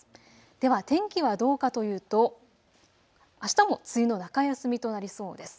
では天気はどうかというと、あしたも梅雨の中休みとなりそうです。